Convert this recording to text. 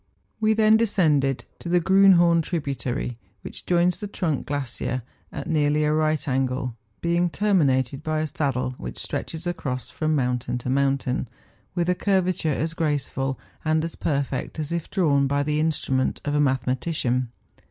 We then descended to the Grriinliorn tributary, which joins the trunk glacier at nearly a right angle, being terminated by a saddle which stretches across from mountain to mountain, with a curvature as graceful and as perfect as if drawn by the instru¬ ment of a mathematician.